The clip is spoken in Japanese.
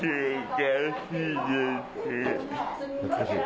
懐かしい？